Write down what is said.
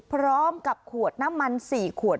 พร้อมกับขวดน้ำมัน๔ขวด